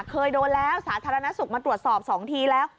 เคยโดนแล้วสาธารณสุขมาตรวจสอบ๒ทีแล้ว